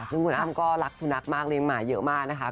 ซึ่งคุณอ้ำก็รักสุนัขมากเลี้ยหมาเยอะมากนะคะ